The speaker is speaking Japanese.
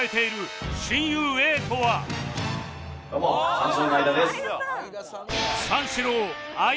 どうも三四郎の相田です。